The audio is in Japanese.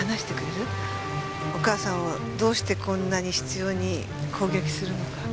お母さんをどうしてこんなに執拗に攻撃するのか。